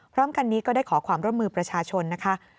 พร้อมกันนี้ก็ได้ขอความร่วมมือประชาชนนะคะ